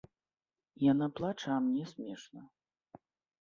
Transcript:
Яна плача, а мне смешна.